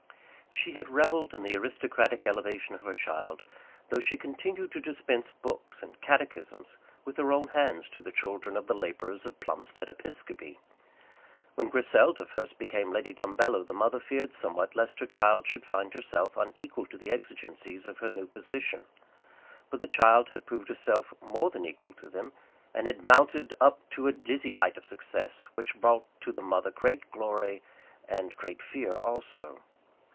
She had revelled in the aristocratic elevation of her child, though she continued to dispense books and catechisms with her own hands to the children of the labourers of Plumstead Episcopi. When Griselda first became Lady Dumbello the mother feared somewhat lest her child should find herself unequal to the exigencies of her new position. But the child had proved herself more than equal to them, and had mounted up to a dizzy height of success, which brought to the mother great glory and great fear also.